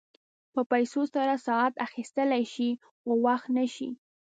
په پیسو سره ساعت اخيستلی شې خو وخت نه شې.